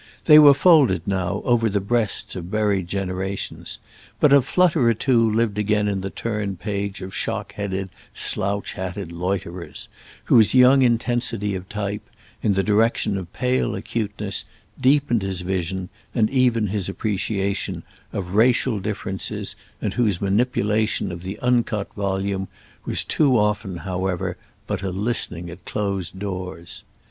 They were folded now over the breasts of buried generations; but a flutter or two lived again in the turned page of shock headed slouch hatted loiterers whose young intensity of type, in the direction of pale acuteness, deepened his vision, and even his appreciation, of racial differences, and whose manipulation of the uncut volume was too often, however, but a listening at closed doors.